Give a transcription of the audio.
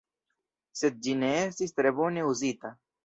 Sed ĝi ne estis tre bone uzita.